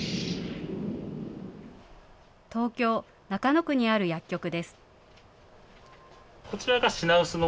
東京・中野区にある薬局です。